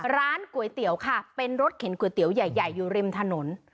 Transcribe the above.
ร้านก๋วยเตี๋ยวค่ะเป็นรถเข็นก๋วยเตี๋ยวใหญ่อยู่ริมถนน